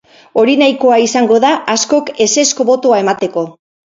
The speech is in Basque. Hori nahikoa izango da askok ezezko botoa emateko.